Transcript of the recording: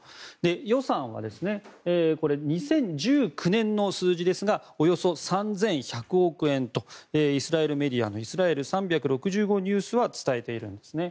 予算は２０１９年の数字ですがおよそ３１００億円とイスラエルメディアのイスラエル３６５ニュースは伝えているんですね。